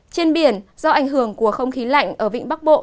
trên biển do ảnh hưởng của không khí lạnh ở vịnh bắc bộ